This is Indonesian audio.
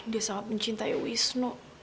dia sangat mencintai wisnu